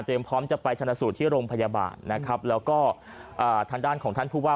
เจมส์พร้อมจะไปทราสุทธิ์ที่โรงพยาบาลนะครับแล้วก็ทางด้านของท่านผู้ว่า